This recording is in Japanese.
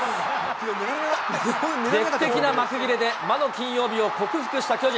劇的な幕切れで魔の金曜日を克服した巨人。